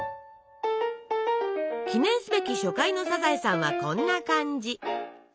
記念すべき初回の「サザエさん」はこんな感じ。